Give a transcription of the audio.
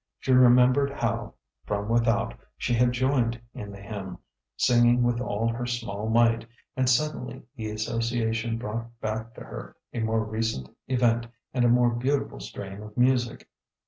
She remembered how, from without, she had joined in the hymn, singing with all her small might; and suddenly the association brought back to her a more recent event and a more beautiful strain of music.